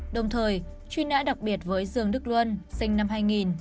đồng thời truy nã đặc biệt với dương đức luân sinh năm hai nghìn